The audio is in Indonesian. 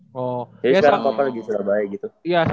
jadi sekarang papa lagi di surabaya gitu